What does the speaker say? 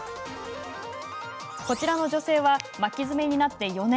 こちらの女性は巻き爪になって４年。